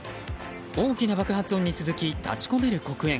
大きな爆発音に続き立ち込める黒煙。